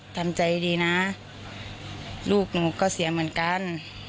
ทำใจดีนะลูกหนูก็เสียเหมือนกัน